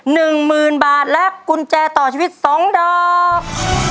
๑หมื่นบาทและกุญแจต่อชีวิต๒ดอก